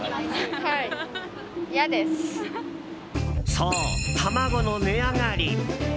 そう、卵の値上がり。